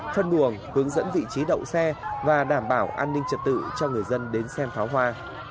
phân luồng hướng dẫn vị trí đậu xe và đảm bảo an ninh trật tự cho người dân đến xem pháo hoa